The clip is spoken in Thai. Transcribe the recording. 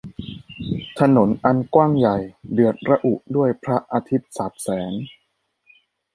ถนนอันกว้างใหญ่ เดือดระอุด้วยพระอาทิตย์สาดแสง